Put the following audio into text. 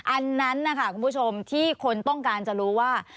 อันนั้นนะคะคุณผู้ชมที่คนต้องการจะรู้ว่า